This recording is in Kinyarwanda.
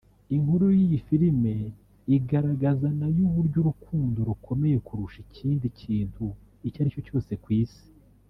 Inkuru y’iyi filime igaragaza nayo uburyo urukundo rukomeye kurusha ikindi kintu icyo aricyo cyose ku isi